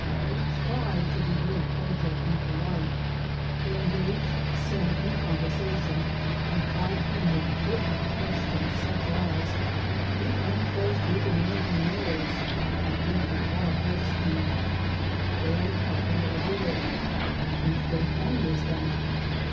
They tried to be very cordial and polite. They engaged Sim in conversation, and plied him with pertinent questions, such as: Who owns those big American mares ?" (referring to our horse team). "They are the property of a widow." "Whose bay pony is that?"